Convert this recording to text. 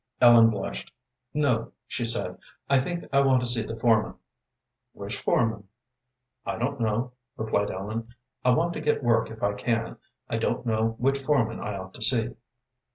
Ellen blushed. "No," she said. "I think I want to see the foreman." "Which foreman?" "I don't know," replied Ellen. "I want to get work if I can. I don't know which foreman I ought to see."